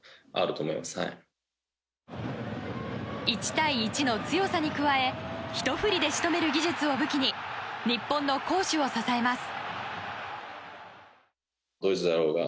１対１の強さに加えひと振りで仕留める技術を武器に日本の攻守を支えます。